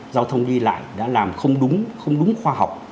giao thông đi lại đã làm không đúng không đúng khoa học